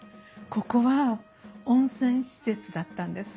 ここは温泉施設だったんです。